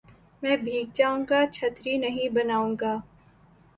میں بھیگ جاؤں گا چھتری نہیں بناؤں گا